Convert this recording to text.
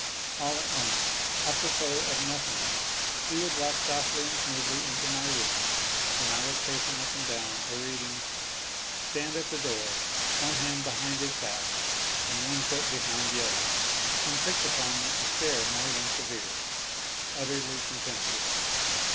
All at once, a propos of nothing, he would walk softly and smoothly into my room, when I was pacing up and down or reading, stand at the door, one hand behind his back and one foot behind the other, and fix upon me a stare more than severe, utterly con temptuous.